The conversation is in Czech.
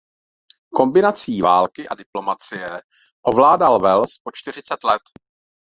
Kombinací války a diplomacie ovládal Wales po čtyřicet let.